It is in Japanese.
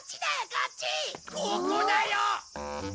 ここだよ！